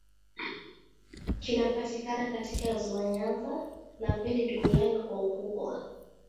Kinapatikana katika ziwa Nyanza, la pili duniani kwa ukubwa.